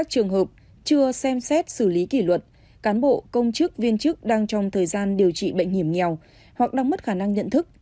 hai mươi trường hợp chưa xem xét xử lý kỷ luật cán bộ công chức viên chức đang trong thời gian điều trị bệnh hiểm nghèo hoặc đang mất khả năng nhận thức